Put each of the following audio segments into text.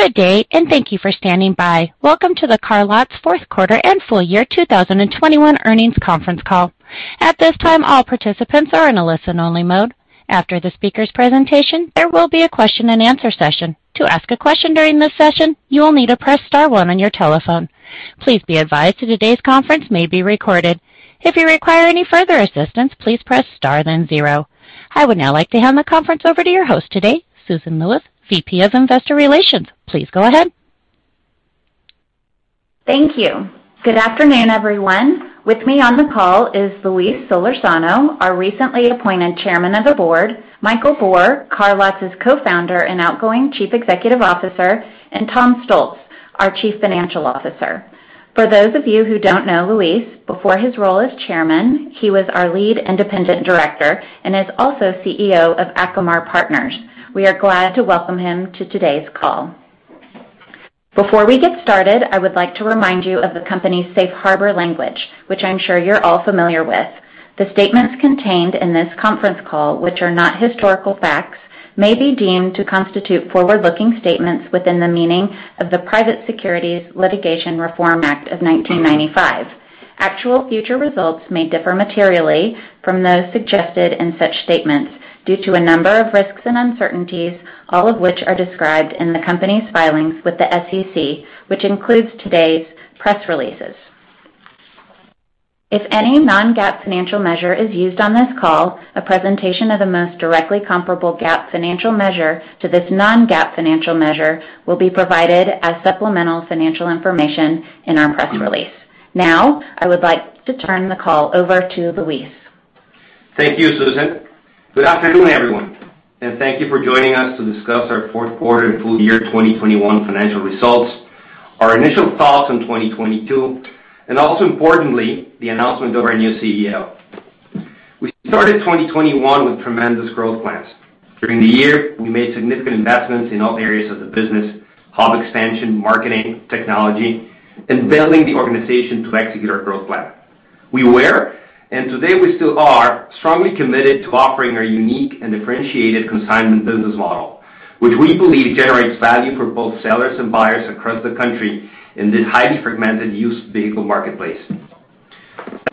Good day, and thank you for standing by. Welcome to the CarLotz fourth quarter and full year 2021 earnings conference call. At this time, all participants are in a listen-only mode. After the speaker's presentation, there will be a question-and-answer session. To ask a question during this session, you will need to press star one on your telephone. Please be advised that today's conference may be recorded. If you require any further assistance, please press star then zero. I would now like to hand the conference over to your host today, Susan Lewis, VP of Investor Relations. Please go ahead. Thank you. Good afternoon, everyone. With me on the call is Luis Solorzano, our recently appointed Chairman of the Board, Michael Bor, CarLotz's Co-founder and outgoing Chief Executive Officer, and Tom Stoltz, our Chief Financial Officer. For those of you who don't know Luis, before his role as chairman, he was our lead independent director and is also CEO of Acamar Partners. We are glad to welcome him to today's call. Before we get started, I would like to remind you of the company's safe harbor language, which I'm sure you're all familiar with. The statements contained in this conference call, which are not historical facts, may be deemed to constitute forward-looking statements within the meaning of the Private Securities Litigation Reform Act of 1995. Actual future results may differ materially from those suggested in such statements due to a number of risks and uncertainties, all of which are described in the company's filings with the SEC, which includes today's press releases. If any non-GAAP financial measure is used on this call, a presentation of the most directly comparable GAAP financial measure to this non-GAAP financial measure will be provided as supplemental financial information in our press release. Now, I would like to turn the call over to Luis. Thank you, Susan. Good afternoon, everyone, and thank you for joining us to discuss our fourth quarter and full year 2021 financial results, our initial thoughts on 2022, and also importantly, the announcement of our new CEO. We started 2021 with tremendous growth plans. During the year, we made significant investments in all areas of the business, hub expansion, marketing, technology, and building the organization to execute our growth plan. We were, and today we still are, strongly committed to offering our unique and differentiated consignment business model, which we believe generates value for both sellers and buyers across the country in this highly fragmented used vehicle marketplace.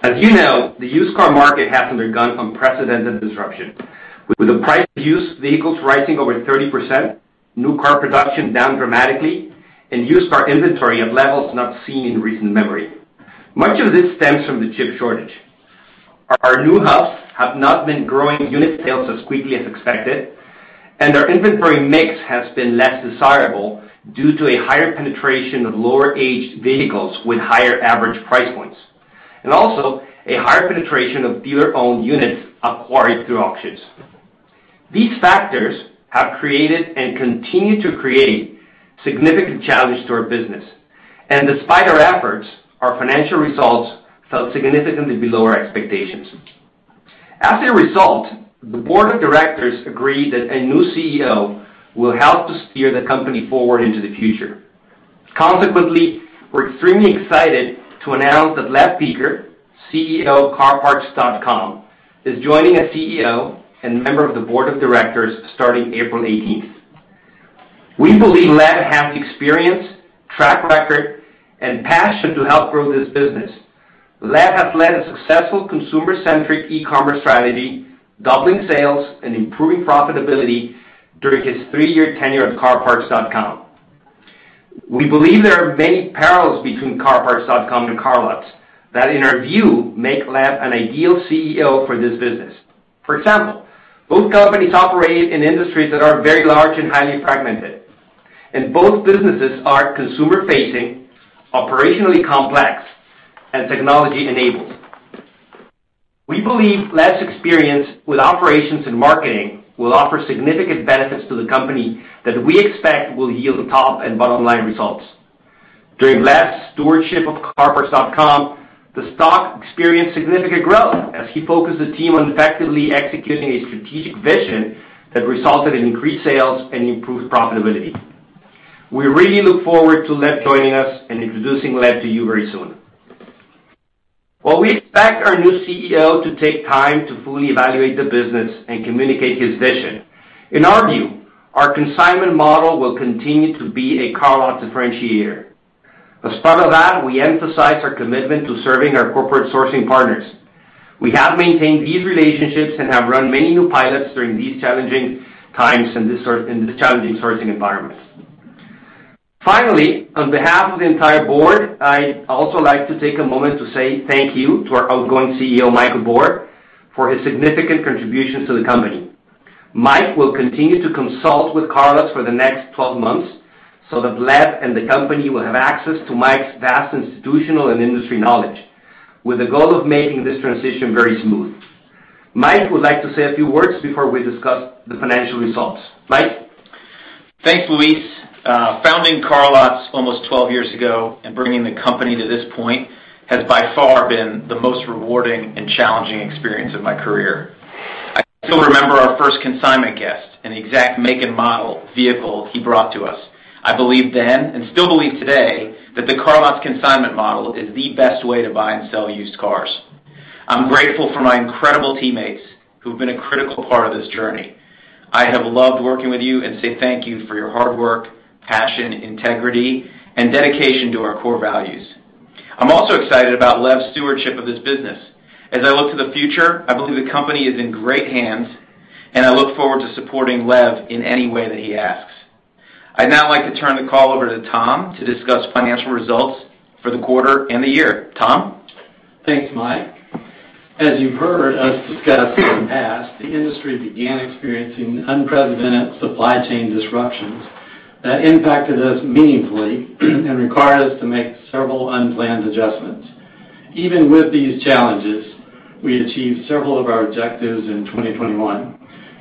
As you know, the used car market has undergone unprecedented disruption, with the price of used vehicles rising over 30%, new car production down dramatically, and used car inventory at levels not seen in recent memory. Much of this stems from the chip shortage. Our new hubs have not been growing unit sales as quickly as expected, and our inventory mix has been less desirable due to a higher penetration of lower-aged vehicles with higher average price points, and also a higher penetration of dealer-owned units acquired through auctions. These factors have created and continue to create significant challenge to our business. Despite our efforts, our financial results fell significantly below our expectations. As a result, the board of directors agreed that a new CEO will help to steer the company forward into the future. Consequently, we're extremely excited to announce that Lev Peker, CEO of CarParts.com, is joining as CEO and member of the board of directors starting April 18th. We believe Lev has the experience, track record, and passion to help grow this business. Lev has led a successful consumer-centric e-commerce strategy, doubling sales and improving profitability during his three-year tenure at CarParts.com. We believe there are many parallels between CarParts.com and CarLotz that, in our view, make Lev an ideal CEO for this business. For example, both companies operate in industries that are very large and highly fragmented, and both businesses are consumer-facing, operationally complex, and technology-enabled. We believe Lev's experience with operations and marketing will offer significant benefits to the company that we expect will yield top and bottom-line results. During Lev's stewardship of CarParts.com, the stock experienced significant growth as he focused the team on effectively executing a strategic vision that resulted in increased sales and improved profitability. We really look forward to Lev joining us and introducing Lev to you very soon. While we expect our new CEO to take time to fully evaluate the business and communicate his vision, in our view, our consignment model will continue to be a CarLotz differentiator. As part of that, we emphasize our commitment to serving our corporate sourcing partners. We have maintained these relationships and have run many new pilots during these challenging times in this challenging sourcing environment. Finally, on behalf of the entire board, I'd also like to take a moment to say thank you to our outgoing CEO, Michael Bor, for his significant contributions to the company. Mike will continue to consult with CarLotz for the next 12 months so that Lev and the company will have access to Mike's vast institutional and industry knowledge with the goal of making this transition very smooth. Mike would like to say a few words before we discuss the financial results. Mike? Thanks, Luis. Founding CarLotz almost 12 years ago and bringing the company to this point has by far been the most rewarding and challenging experience of my career. I still remember our first consignment guest and the exact make and model vehicle he brought to us. I believed then, and still believe today, that the CarLotz consignment model is the best way to buy and sell used cars. I'm grateful for my incredible teammates who've been a critical part of this journey. I have loved working with you and say thank you for your hard work, passion, integrity, and dedication to our core values. I'm also excited about Lev's stewardship of this business. As I look to the future, I believe the company is in great hands, and I look forward to supporting Lev in any way that he asks. I'd now like to turn the call over to Tom to discuss financial results for the quarter and the year. Tom? Thanks, Mike. As you've heard us discuss in the past, the industry began experiencing unprecedented supply chain disruptions that impacted us meaningfully and required us to make several unplanned adjustments. Even with these challenges, we achieved several of our objectives in 2021.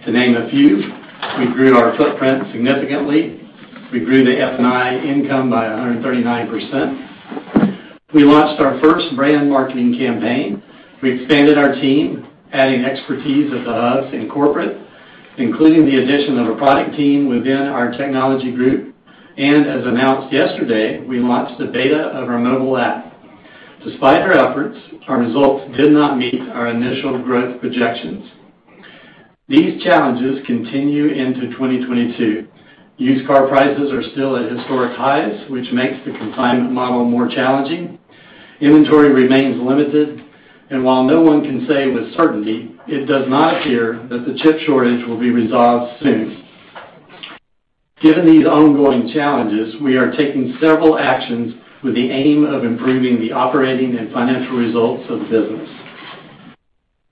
To name a few, we grew our footprint significantly. We grew the F&I income by 139%. We launched our first brand marketing campaign. We expanded our team, adding expertise at the hub and corporate, including the addition of a product team within our technology group. As announced yesterday, we launched the beta of our mobile app. Despite our efforts, our results did not meet our initial growth projections. These challenges continue into 2022. Used car prices are still at historic highs, which makes the consignment model more challenging. Inventory remains limited, and while no one can say with certainty, it does not appear that the chip shortage will be resolved soon. Given these ongoing challenges, we are taking several actions with the aim of improving the operating and financial results of the business.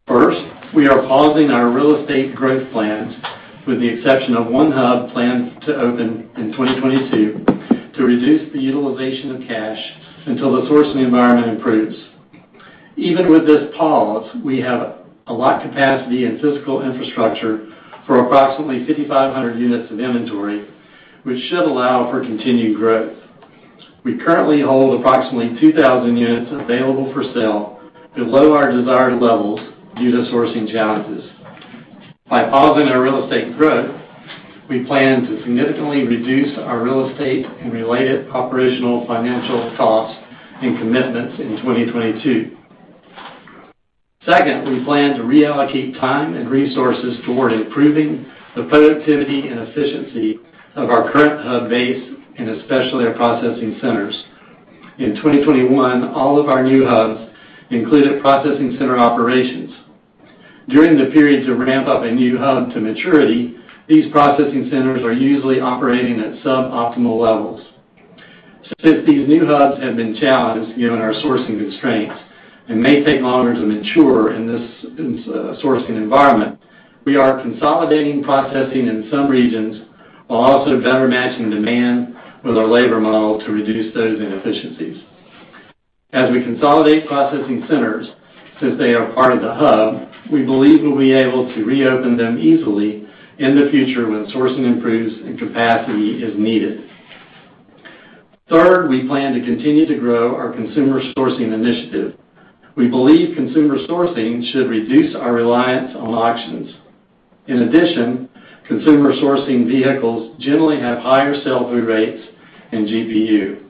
First, we are pausing our real estate growth plans, with the exception of one hub planned to open in 2022, to reduce the utilization of cash until the sourcing environment improves. Even with this pause, we have a lot of capacity and physical infrastructure for approximately 5,500 units of inventory, which should allow for continued growth. We currently hold approximately 2,000 units available for sale below our desired levels due to sourcing challenges. By pausing our real estate growth, we plan to significantly reduce our real estate and related operational financial costs and commitments in 2022. Second, we plan to reallocate time and resources toward improving the productivity and efficiency of our current hub base, and especially our processing centers. In 2021, all of our new hubs included processing center operations. During the period to ramp up a new hub to maturity, these processing centers are usually operating at sub-optimal levels. Since these new hubs have been challenged given our sourcing constraints and may take longer to mature in this sourcing environment, we are consolidating processing in some regions while also better matching demand with our labor model to reduce those inefficiencies. As we consolidate processing centers, since they are part of the hub, we believe we'll be able to reopen them easily in the future when sourcing improves and capacity is needed. Third, we plan to continue to grow our consumer sourcing initiative. We believe consumer sourcing should reduce our reliance on auctions. In addition, consumer sourcing vehicles generally have higher sell-through rates and GPU.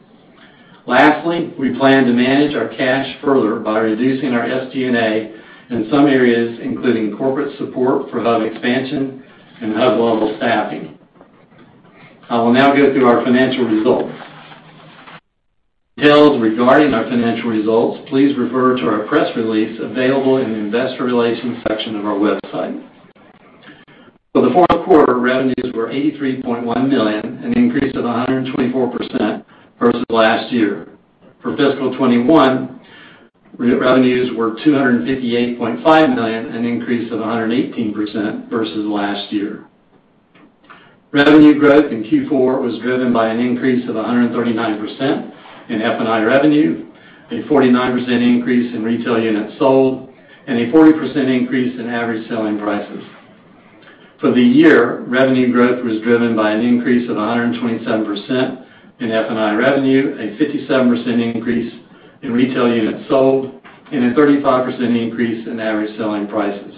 Lastly, we plan to manage our cash further by reducing our SG&A in some areas, including corporate support for hub expansion and hub level staffing. I will now go through our financial results. Details regarding our financial results, please refer to our press release available in the investor relations section of our website. For the fourth quarter, revenues were $83.1 million, an increase of 124% versus last year. For fiscal 2021, revenues were $258.5 million, an increase of 118% versus last year. Revenue growth in Q4 was driven by an increase of 139% in F&I revenue, a 49% increase in retail units sold, and a 40% increase in average selling prices. For the year, revenue growth was driven by an increase of 127% in F&I revenue, a 57% increase in retail units sold, and a 35% increase in average selling prices.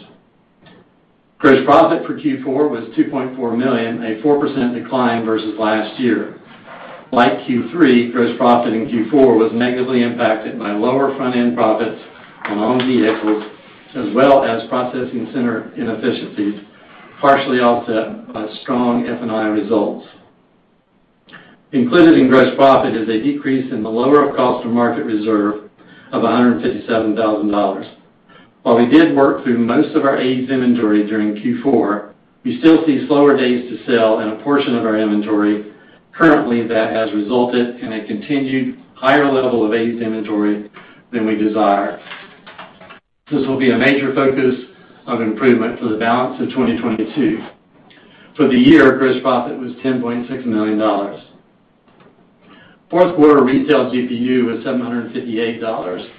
Gross profit for Q4 was $2.4 million, a 4% decline versus last year. Like Q3, gross profit in Q4 was negatively impacted by lower front-end profits on owned vehicles, as well as processing center inefficiencies, partially offset by strong F&I results. Included in gross profit is a decrease in the lower of cost or market reserve of $157,000. While we did work through most of our aged inventory during Q4, we still see slower days to sell in a portion of our inventory. Currently, that has resulted in a continued higher level of aged inventory than we desire. This will be a major focus of improvement for the balance of 2022. For the year, gross profit was $10.6 million. Fourth quarter retail GPU was $758.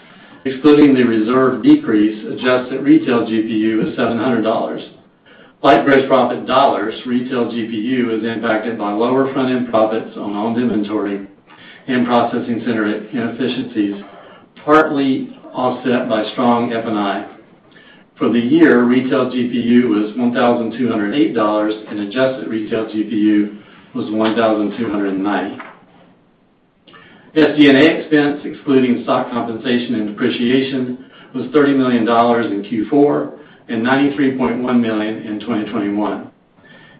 Excluding the reserve decrease, adjusted retail GPU was $700. Like gross profit dollars, retail GPU is impacted by lower front-end profits on owned inventory and processing center inefficiencies, partly offset by strong F&I. For the year, Retail GPU was $1,208, and Adjusted Retail GPU was $1,290. SG&A expense, excluding stock compensation and depreciation, was $30 million in Q4 and $93.1 million in 2021.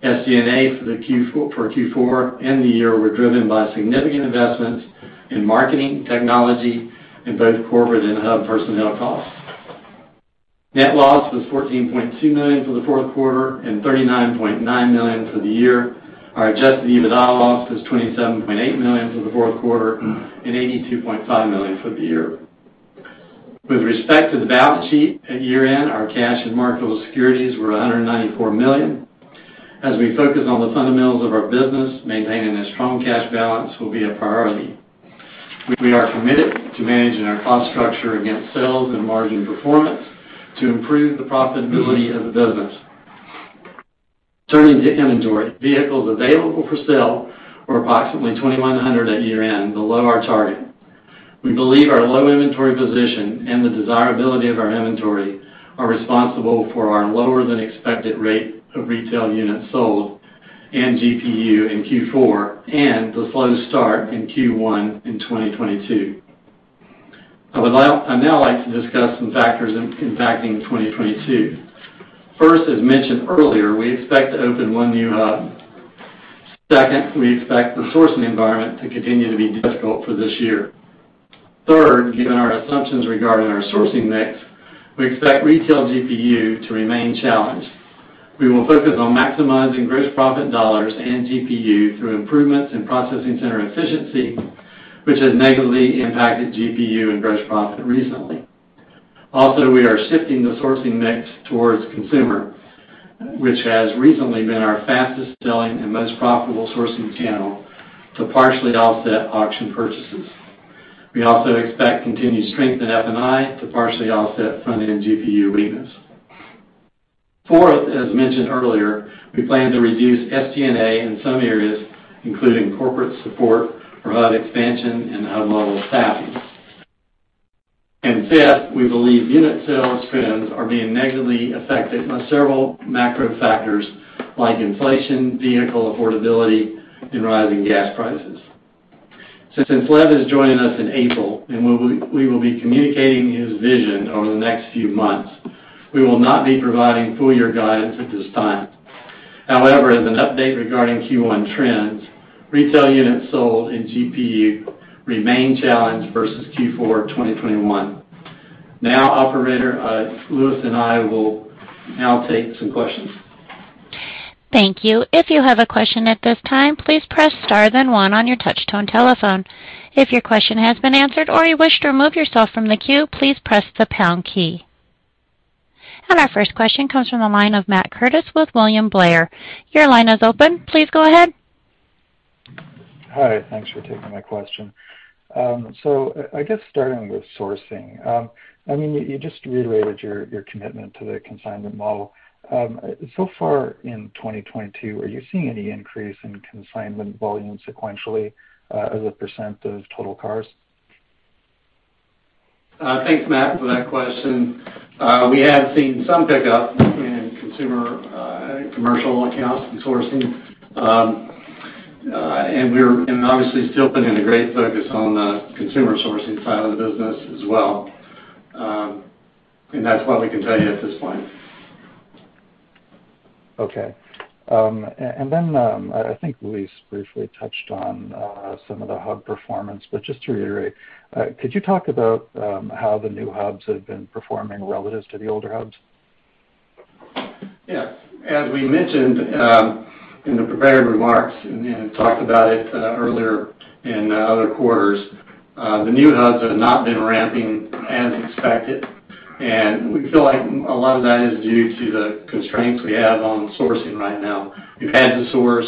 SG&A for Q4 and the year were driven by significant investments in marketing, technology, and both corporate and hub personnel costs. Net loss was $14.2 million for the fourth quarter and $39.9 million for the year. Our Adjusted EBITDA loss was $27.8 million for the fourth quarter and $82.5 million for the year. With respect to the balance sheet at year-end, our cash and marketable securities were $194 million. As we focus on the fundamentals of our business, maintaining a strong cash balance will be a priority. We are committed to managing our cost structure against sales and margin performance to improve the profitability of the business. Turning to inventory. Vehicles available for sale were approximately 2,100 at year-end, below our target. We believe our low inventory position and the desirability of our inventory are responsible for our lower than expected rate of retail units sold and GPU in Q4 and the slow start in Q1 in 2022. I'd now like to discuss some factors impacting 2022. First, as mentioned earlier, we expect to open one new hub. Second, we expect the sourcing environment to continue to be difficult for this year. Third, given our assumptions regarding our sourcing mix, we expect retail GPU to remain challenged. We will focus on maximizing gross profit dollars and GPU through improvements in processing center efficiency, which has negatively impacted GPU and gross profit recently. Also, we are shifting the sourcing mix towards consumer, which has recently been our fastest-selling and most profitable sourcing channel to partially offset auction purchases. We also expect continued strength in F&I to partially offset front-end GPU weakness. Fourth, as mentioned earlier, we plan to reduce SG&A in some areas, including corporate support for hub expansion and hub-level staffing. Fifth, we believe unit sales trends are being negatively affected by several macro factors like inflation, vehicle affordability, and rising gas prices. Since Lev is joining us in April, and we will be communicating his vision over the next few months, we will not be providing full year guidance at this time. However, as an update regarding Q1 trends, retail units sold in GPU remain challenged versus Q4 of 2021. Now, operator, Luis and I will now take some questions. Thank you. If you have a question at this time, please press star then one on your touch tone telephone. If your question has been answered or you wish to remove yourself from the queue, please press the pound key. Our first question comes from the line of Matt Curtis with William Blair. Your line is open. Please go ahead. Hi. Thanks for taking my question. I guess starting with sourcing, I mean, you just reiterated your commitment to the consignment model. So far in 2022, are you seeing any increase in consignment volume sequentially, as a percentage of total cars? Thanks, Matt, for that question. We have seen some pickup in consumer, commercial accounts and sourcing. Obviously still putting a great focus on the consumer sourcing side of the business as well. That's what we can tell you at this point. Okay. Then, I think Luis briefly touched on some of the hub performance. Just to reiterate, could you talk about how the new hubs have been performing relative to the older hubs? Yes. As we mentioned in the prepared remarks and talked about it earlier in other quarters, the new hubs have not been ramping as expected. We feel like a lot of that is due to the constraints we have on sourcing right now. We've had to source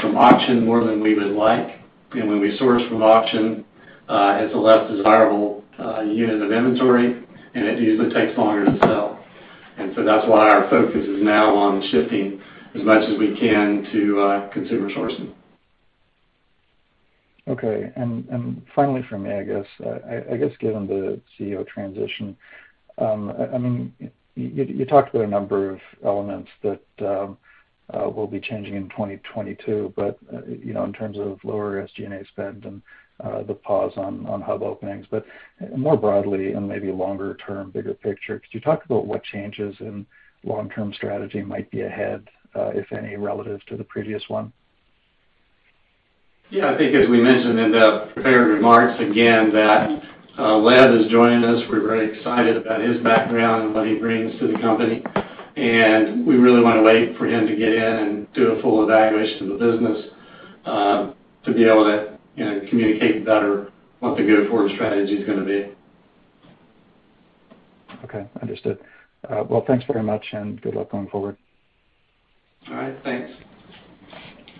from auction more than we would like. When we source from auction, it's a less desirable unit of inventory, and it usually takes longer to sell. That's why our focus is now on shifting as much as we can to consumer sourcing. Okay. Finally from me, I guess. I guess, given the CEO transition, I mean, you talked about a number of elements that will be changing in 2022, but you know, in terms of lower SG&A spend and the pause on hub openings. More broadly and maybe longer term, bigger picture, could you talk about what changes in long-term strategy might be ahead, if any, relative to the previous one? Yeah, I think as we mentioned in the prepared remarks again that, Lev is joining us. We're very excited about his background and what he brings to the company. We really want to wait for him to get in and do a full evaluation of the business, to be able to, you know, communicate better what the go-forward strategy is gonna be. Okay. Understood. Well, thanks very much, and good luck going forward. All right. Thanks.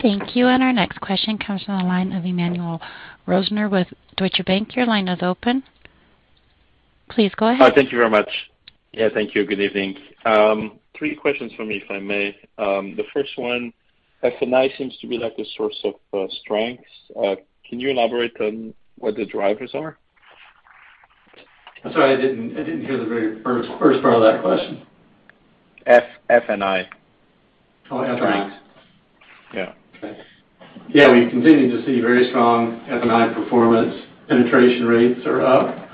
Thank you. Our next question comes from the line of Emmanuel Rosner with Deutsche Bank. Your line is open. Please go ahead. Hi. Thank you very much. Yeah, thank you. Good evening. Three questions from me, if I may. The first one, F&I seems to be like a source of strength. Can you elaborate on what the drivers are? I'm sorry, I didn't hear the very first part of that question. F&I. Oh, F&I. Yeah. Yeah, we continue to see very strong F&I performance. Penetration rates are up,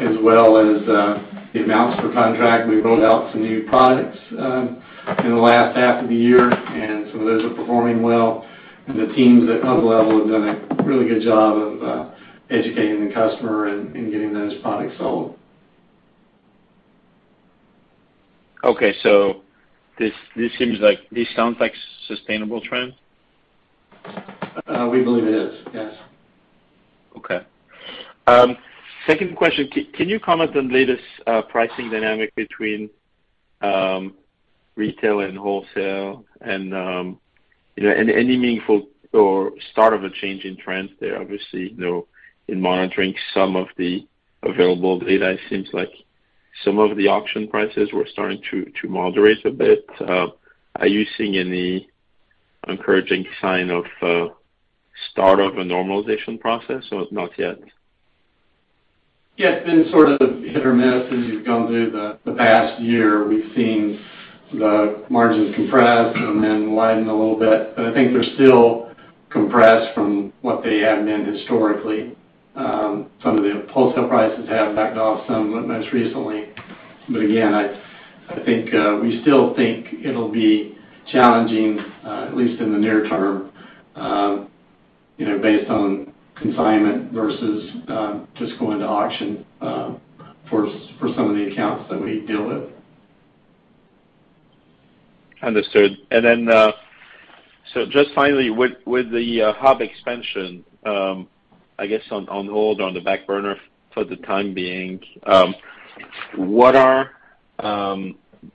as well as the amounts per contract. We rolled out some new products in the last half of the year, and some of those are performing well. The teams at hub level have done a really good job of educating the customer and getting those products sold. Okay. This sounds like sustainable trend? We believe it is, yes. Okay. Second question. Can you comment on latest pricing dynamic between retail and wholesale and you know any meaningful or start of a change in trends there? Obviously you know in monitoring some of the available data it seems like some of the auction prices were starting to moderate a bit. Are you seeing any encouraging sign of start of a normalization process or not yet? Yeah, it's been sort of hit or miss as you've gone through the past year. We've seen the margins compress and then widen a little bit, but I think they're still compressed from what they have been historically. Some of the wholesale prices have backed off some most recently. Again, I think we still think it'll be challenging at least in the near term, you know, based on consignment versus just going to auction for some of the accounts that we deal with. Understood. Just finally, with the hub expansion, I guess on hold on the back burner for the time being, what are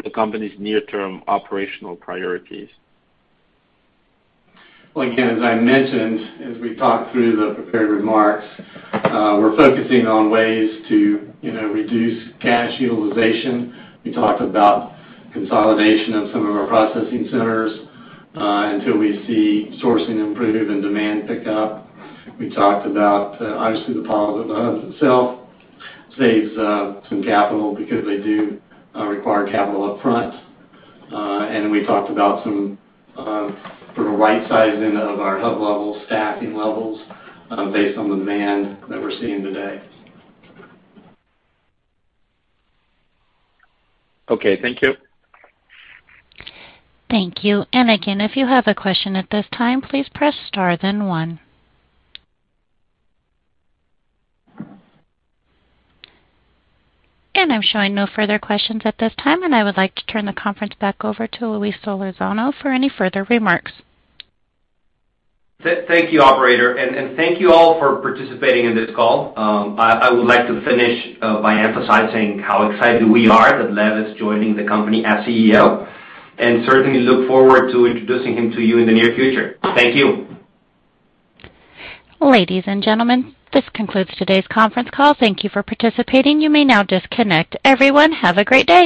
the company's near-term operational priorities? Well, again, as I mentioned, as we talked through the prepared remarks, we're focusing on ways to, you know, reduce cash utilization. We talked about consolidation of some of our processing centers, until we see sourcing improve and demand pick up. We talked about obviously the pilotless hubs itself saves, some capital because they do, require capital up front. We talked about some sort of right-sizing of our hub level staffing levels, based on demand that we're seeing today. Okay, thank you. Thank you. Again, if you have a question at this time, please press star then one. I'm showing no further questions at this time, and I would like to turn the conference back over to Luis Solorzano for any further remarks. Thank you, operator. Thank you all for participating in this call. I would like to finish by emphasizing how excited we are that Lev is joining the company as CEO, and certainly look forward to introducing him to you in the near future. Thank you. Ladies and gentlemen, this concludes today's conference call. Thank you for participating. You may now disconnect. Everyone, have a great day.